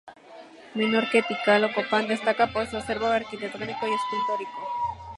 Menor que Tikal o Copán, destaca por su acervo arquitectónico y escultórico.